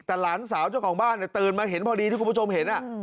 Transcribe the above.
แต่หลานสาวเจ้าของบ้านตื่นมาเห็นพอดีที่คุณผู้ชมเห็น